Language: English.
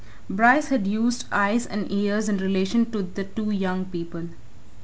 Bryce had used eyes and ears in relation to the two young people.